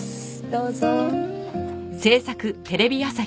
どうぞ。